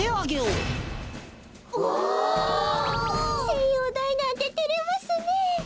せんようだいなんててれますねえ。